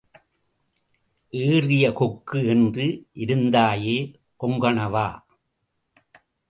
ஏறிய கொக்கு என்று இருந்தாயோ கொங்கணவா?